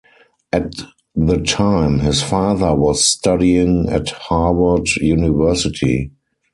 At the time, his father was studying at Harvard University.